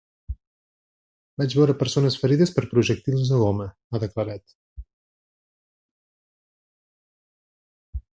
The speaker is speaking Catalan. Vaig veure persones ferides per projectils de goma, ha declarat.